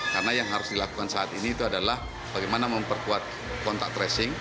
karena yang harus dilakukan saat ini itu adalah bagaimana memperkuat kontak tracing